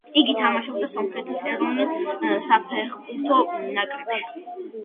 იგი თამაშობდა სომხეთის ეროვნულ საფეხბურთო ნაკრებში.